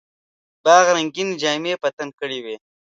باغ رنګیني جامې په تن کړې وې.